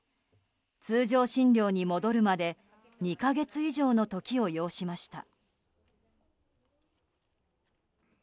通常診療に戻るまで２か月以上の時を要しました。